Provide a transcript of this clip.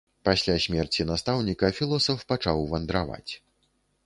Пасля смерці настаўніка філосаф пачаў вандраваць.